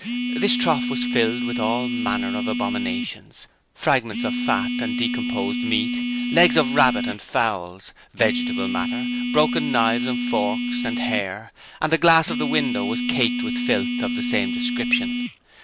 This trough was filled with all manner of abominations: fragments of fat and decomposed meat, legs of rabbits and fowls, vegetable matter, broken knives and forks, and hair: and the glass of the window was caked with filth of the same description.